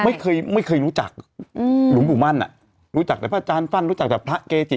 ไม่เคยไม่เคยรู้จักอืมหลวงปู่มั่นอ่ะรู้จักแต่พระอาจารย์ปั้นรู้จักแต่พระเกจิ